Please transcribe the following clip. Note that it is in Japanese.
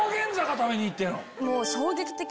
食べに行ってんの？